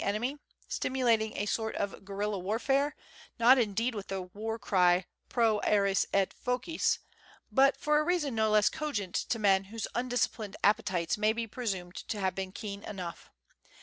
enemy, stimulating a sort of guerrilla warfare, not indeed with the war cry Pro arts et focis, but for a reason no less cogent to men whose undisciplined appetites may be presumed to have been keen enough.